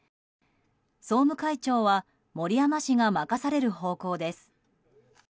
総務会長は森山氏が任される方向です。